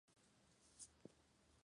Fue una destacada compositora y letrista.